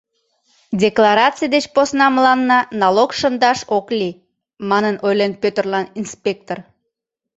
Деклараций деч посна мыланна налог шындаш ок лий, — манын ойлен Пӧтырлан инспектор.